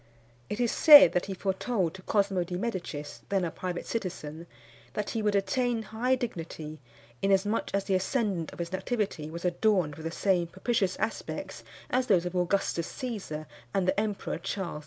It is said that he foretold to Cosmo di Medicis, then a private citizen, that he would attain high dignity, inasmuch as the ascendant of his nativity was adorned with the same propitious aspects as those of Augustus Cæsar and the Emperor Charles V.